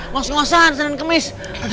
nggak usah hansen dan kemis